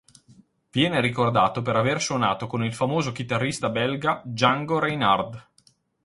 Viene ricordato per aver suonato con il famoso chitarrista belga Django Reinhardt.